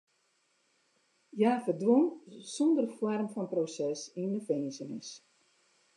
Hja ferdwûn sûnder foarm fan proses yn de finzenis.